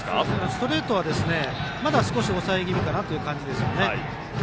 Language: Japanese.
ストレートはまだ少し抑え気味という感じです。